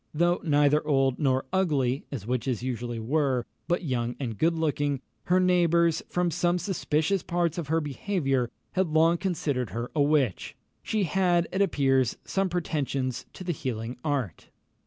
Though neither old nor ugly (as witches usually were), but young and good looking, her neighbours, from some suspicious parts of her behaviour, had long considered her a witch. She had, it appears, some pretensions to the healing art.